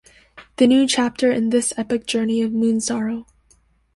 The new chapter in this epic journey of Moonsorrow!